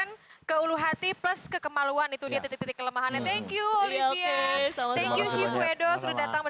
nggak bisa karena titik titik lemahannya itu udah di iniin